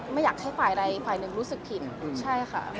ไม่อยากให้ฝ่ายใดฝ่ายหนึ่งรู้สึกผิดใช่ค่ะ